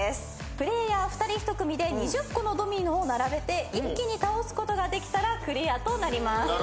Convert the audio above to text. プレーヤー２人１組で２０個のドミノを並べて一気に倒すことができたらクリアとなります。